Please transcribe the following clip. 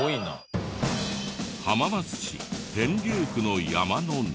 浜松市天竜区の山の中。